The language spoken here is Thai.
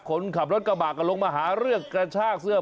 คนขับรถกระบะก็ลงมาหาเรื่องกระชากเสื้อ